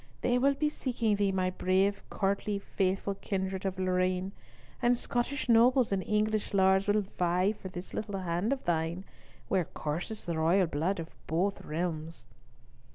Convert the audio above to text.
They will be seeking thee, my brave courtly faithful kindred of Lorraine, and Scottish nobles and English lords will vie for this little hand of thine, where courses the royal blood of both realms."